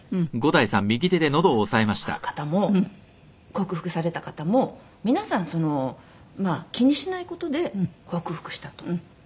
なった事がある方も克服された方も皆さんその気にしない事で克服したと。